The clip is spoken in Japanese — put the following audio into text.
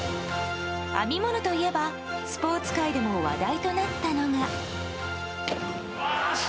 編み物といえばスポーツ界でも話題となったのが。